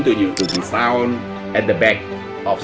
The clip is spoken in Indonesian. terus berdiri di belakang